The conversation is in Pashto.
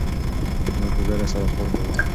موږ په ګډه سره کار کوو.